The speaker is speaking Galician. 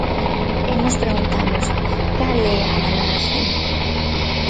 E nós preguntamos: ¿cal é a valoración?